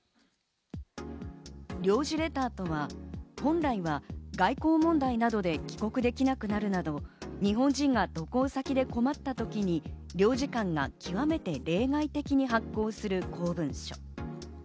領事レターとは本来は外交問題などで帰国できなくなるなど、日本人が渡航先で困った時に領事館が極めて例外的に発行する公文書。